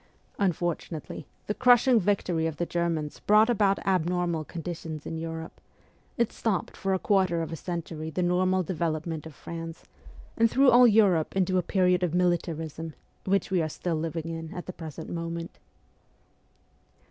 Unfortunately, the crush ing victory of the Germans brought about abnormal conditions in Europe ; it stopped for a quarter of a century the normal development of France, and threw all Europe into a period of militarism, which we are still living in at the present moment.